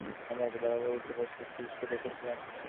আমি একবার এক ঊর্ধ্ববাহু পুরুষকে দেখিয়াছিলাম।